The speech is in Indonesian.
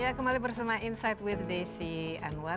ya kembali bersama insight with desi anwar